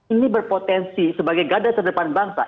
ini berpotensi sebagai gada terdepan bangsa